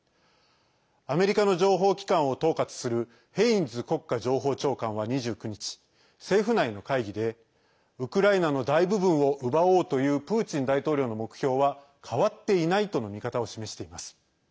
アメリカの情報機関を統括するヘインズ国家情報長官は２９日、政府内の会議でウクライナの大部分を奪おうというプーチン大統領の目標は変わっていないとの見方を示しています。